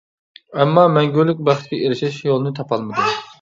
ئەمما مەڭگۈلۈك بەختكە ئېرىشىش يولىنى تاپالمىدى.